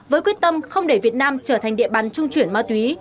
với quyết tâm không để việt nam trở thành địa bàn trung chuyển má tuổi